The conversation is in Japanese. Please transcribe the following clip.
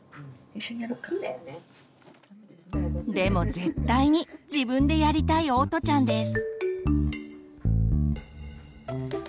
でも絶対に自分でやりたいおとちゃんです。